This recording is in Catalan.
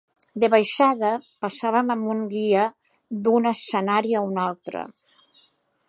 De baixada, passaven amb un guia d'un escenari a un altre.